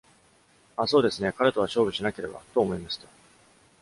ああ、そうですね、彼とは勝負しなければと思いました。